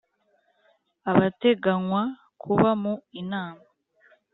abateganywa kuba mu Inama